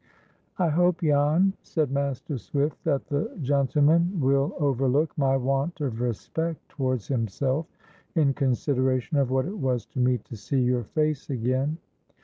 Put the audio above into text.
"I HOPE, Jan," said Master Swift, "that the gentleman will overlook my want of respect towards himself, in consideration of what it was to me to see your face again."